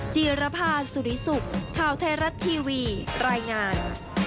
จีรภาสุริสุขข่าวไทยรัฐทีวีรายงาน